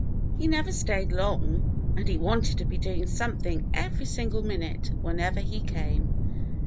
He never stayed long, and he wanted to be doing something every single minute whenever he came.